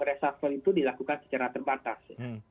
reshuffle itu dilakukan secara terbatas